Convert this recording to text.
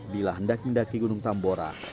bila hendak mendaki gunung tambora